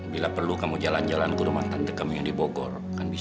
bila perlu kamu jalan jalan ke rumah tante kamu yang di bogor